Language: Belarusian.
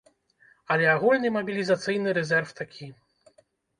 Але агульны мабілізацыйны рэзерв такі.